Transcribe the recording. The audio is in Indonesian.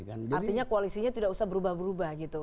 artinya koalisinya tidak usah berubah berubah gitu